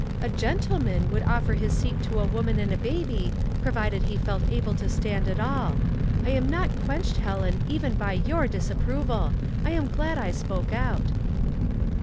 A gentleman would offer his seat to a woman and a baby, provided he felt able to stand at all. I am not quenched, Helen, even by your disapproval. I am glad I spoke out."